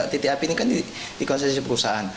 titik api ini kan dikonsentrasi perusahaan